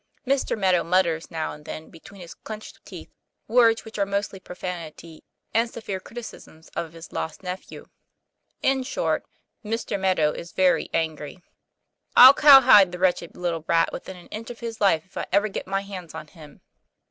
Mr. Meadow mutters now and then between his clenched teeth words which are mostly profanity and severe criticisms of his lost nephew. In short, Mr. Meadow is very angry. 'I'll cowhide the wretched little brat within an inch of his life if I ever get my hands on him.